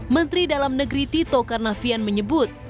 menteri dalam negeri tito karnavian menyebut